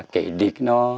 cái địch nó